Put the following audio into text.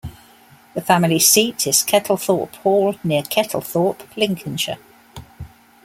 The family seat is Kettlethorpe Hall, near Kettlethorpe, Lincolnshire.